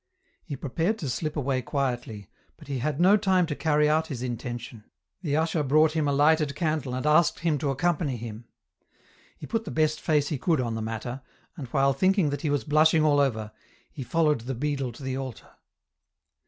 He prepared to slip away quietly, but he had no time to carry out his intention ; the usher brought him a lighted candle and asked him to accompany him. He put the best face he could on the matter, and while thinking that he was blushing all over, he followed the beadle to the altar.